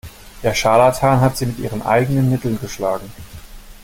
Der Scharlatan hat sie mit ihren eigenen Mitteln geschlagen.